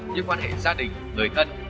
như quan hệ gia đình người thân